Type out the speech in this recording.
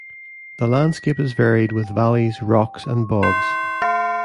The landscape is varied, with valleys, rocks, and bogs.